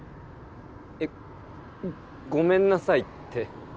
えっごめんなさいって。